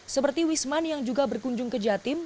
seperti wisman yang juga berkunjung ke jatim